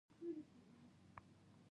په افغانستان کې رسوب شتون لري.